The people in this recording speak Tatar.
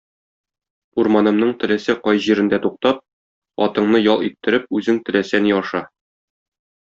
Урманымның теләсә кай җирендә туктап, атыңны ял иттереп, үзең теләсә ни аша.